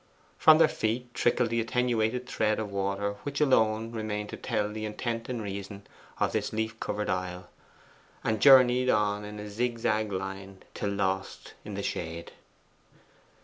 From their feet trickled the attenuated thread of water which alone remained to tell the intent and reason of this leaf covered aisle, and journeyed on in a zigzag line till lost in the shade.